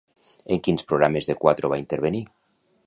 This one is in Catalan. En quins programes de Cuatro va intervenir?